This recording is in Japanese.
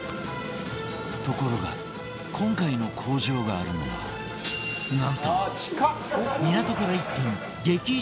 ところが今回の工場があるのはなんと港から１分激近立地